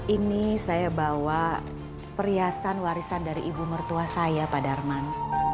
ini saya bawa perhiasan warisan dari ibu mertua saya pak darman